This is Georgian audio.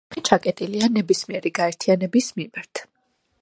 ოჯახი ჩაკეტილია ნებისმიერი გაერთიანების მიმართ.